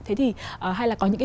thế thì hay là có những cái